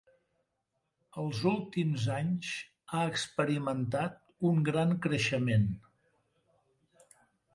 Els últims anys ha experimentat un gran creixement.